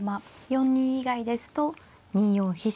４二以外ですと２四飛車と。